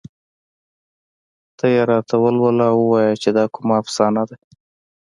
ته یې راته ولوله او ووايه چې دا کومه افسانه ده